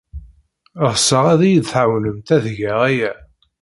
Ɣseɣ ad iyi-tɛawnemt ad geɣ aya.